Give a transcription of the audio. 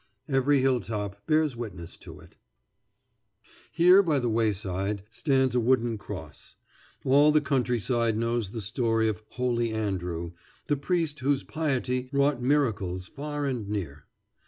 Every hilltop bears witness to it. [Illustration: Holy Andrew's Cross ] Here by the wayside stands a wooden cross. All the country side knows the story of "Holy Andrew," the priest whose piety wrought miracles far and near.